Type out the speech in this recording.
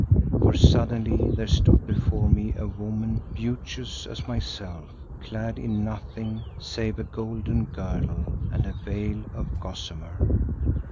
For suddenly there stood before me a woman beauteous as myself clad in nothing save a golden girdle and a veil of gossamer.